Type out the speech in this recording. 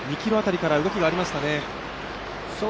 ２ｋｍ辺りから動きがありましたね。